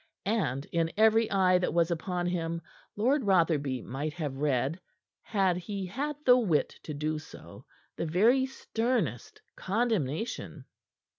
And in every eye that was upon him Lord Rotherby might have read, had he had the wit to do so, the very sternest condemnation.